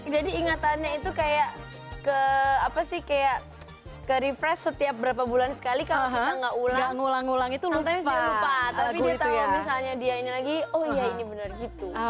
jadi ingatannya itu kayak ke apa sih kayak ke refresh setiap berapa bulan sekali kalau